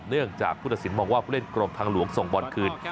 เนื่องจากผู้ตัดสินมองว่าผู้เล่นกรมทางหลวงส่งบอลคืน